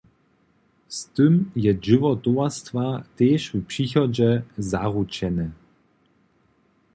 Z tym je dźěło towarstwa tež w přichodźe zaručene.